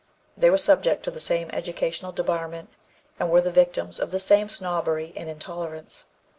They were subject to the same educational debarment and were the victims of the same snobbery and intolerance.